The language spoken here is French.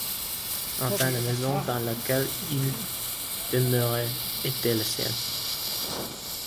Enfin la maison dans laquelle il demeurait était la sienne.